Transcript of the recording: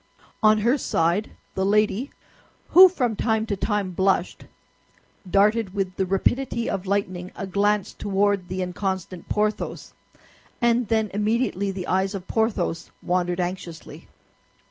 On her side the lady, who from time to time blushed, darted with the rapidity of lightning a glance toward the inconstant Porthos; and then immediately the eyes of Porthos wandered anxiously.